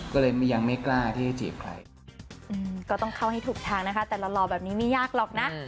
ก็เลยยังไม่กล้าที่จะจีบใคร